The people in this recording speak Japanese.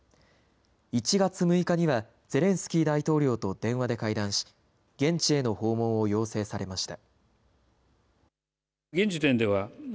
１月６日にはゼレンスキー大統領と電話で会談し現地への訪問を要請されました。